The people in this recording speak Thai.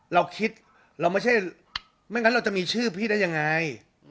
เราคิดเราไม่ใช่ไม่งั้นเราจะมีชื่อพี่ได้ยังไง